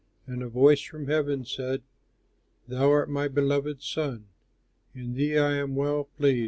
And a voice from heaven said, "Thou art my beloved Son, In thee I am well pleased."